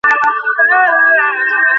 একদা স্বামীর কাছে আসতে স্ত্রীর দেরি হয়।